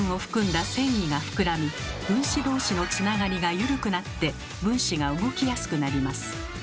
繊維が膨らみ分子同士のつながりが緩くなって分子が動きやすくなります。